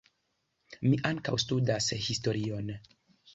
Mi ankaŭ studas historion.